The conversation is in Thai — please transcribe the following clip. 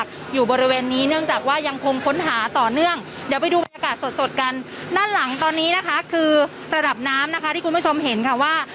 ที่คุณผู้ชมเห็นค่ะว่า